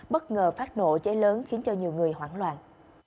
bất ngờ phát nổ cháy lớn khiến cho nhiều người hoảng loạn